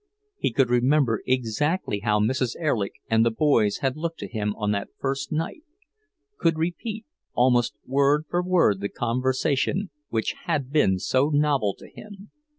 He could remember exactly how Mrs. Erlich and the boys had looked to him on that first night, could repeat almost word for word the conversation which had been so novel to him.